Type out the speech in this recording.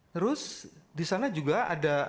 terus disana juga ada